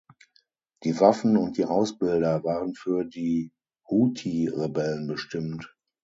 Die Waffen und die Ausbilder waren für die Huthi-Rebellen bestimmt.